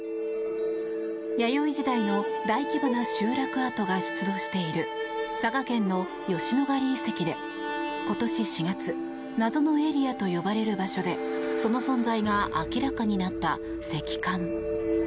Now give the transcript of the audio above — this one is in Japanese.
弥生時代の大規模な集落跡が出土している佐賀県の吉野ヶ里遺跡で今年４月謎のエリアと呼ばれる場所でその存在が明らかになった石棺。